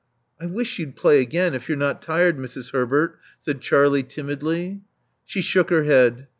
*'I wish you'd play again, if you're not tired, Mrs. Herbert," said Charlie timidly. She shook her head.